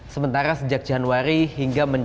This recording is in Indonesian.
sementara sejak januari hingga